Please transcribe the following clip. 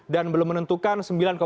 dan belum menentukan